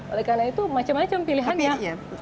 oleh karena itu macam macam pilihan yang